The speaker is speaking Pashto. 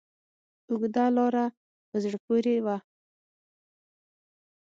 اوږده لاره په زړه پورې وه.